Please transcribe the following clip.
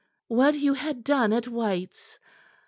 "What you had done at White's.